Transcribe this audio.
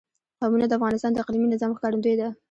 قومونه د افغانستان د اقلیمي نظام ښکارندوی ده.